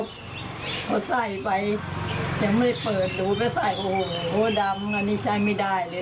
ก็ใส่โอ้โหดำอันนี้ใช้ไม่ได้เลย